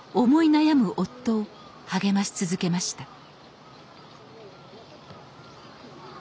思い悩む夫を励まし続けました